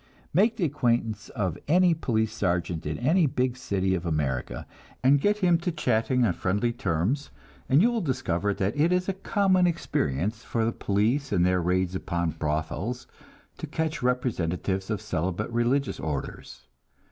Make the acquaintance of any police sergeant in any big city of America, and get him to chatting on friendly terms, and you will discover that it is a common experience for the police in their raids upon brothels to catch the representatives of celibate religious orders.